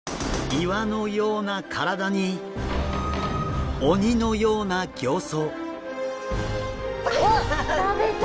岩のような体に鬼のような形相。